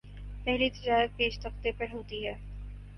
پہلی تجارت بیشتختے پر ہوتی ہے